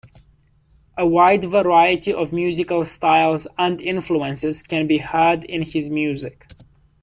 A wide variety of musical styles and influences can be heard in his music.